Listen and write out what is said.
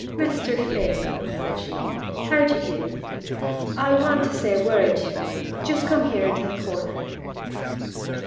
"Mr. Finn," said she, "how d'ye do? I want to say a word to ye. Just come here into the corner."